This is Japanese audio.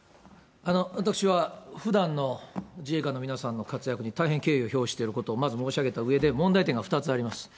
私はふだんの自衛官の皆さんの活躍に大変敬意を表していることをまず申し上げたうえで、問題点が２つあります。